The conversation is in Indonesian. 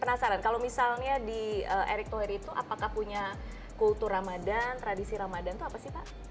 penasaran kalau misalnya di erick thohir itu apakah punya kultur ramadan tradisi ramadan itu apa sih pak